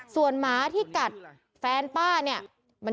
ส่วนหมาที่กัดแฟนป้าเนี่ย